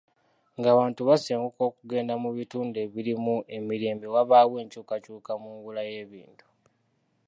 Ng'abantu basenguka okugenda mu bitundu ebirimu emirembe wabaawo enkyukakyuka mu ngula y'ebintu.